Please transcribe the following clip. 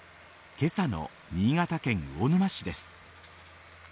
今朝の新潟県魚沼市です。